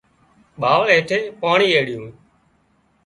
ٻاوۯ هيٺي پاڻي ايڙيون